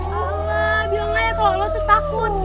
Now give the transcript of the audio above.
allah bilang aja kalau lo tuh takut